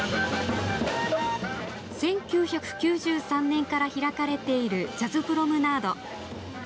１９９３年から開かれているジャズプロムナード。